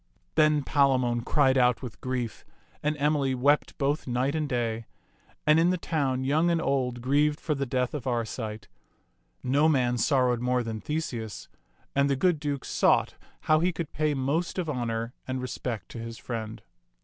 48 t^t Mnx^^fB tak Then Palamon cried out with grief, and Emily wept both night and day; and in the town young and old grieved for the death of Arcite. No man sorrowed more than Theseus ; and the good Duke sought how he could pay most of honor and respect to his friend.